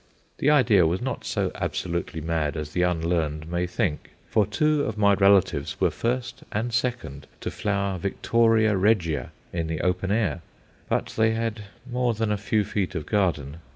The idea was not so absolutely mad as the unlearned may think, for two of my relatives were first and second to flower Victoria Regia in the open air but they had more than a few feet of garden.